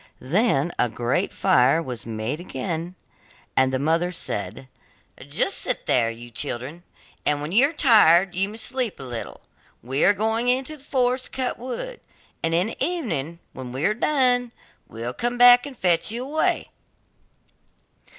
Then a great fire was again made, and the mother said: 'Just sit there, you children, and when you are tired you may sleep a little; we are going into the forest to cut wood, and in the evening when we are done, we will come and fetch you away.